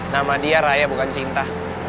nama dia raya bukan cinta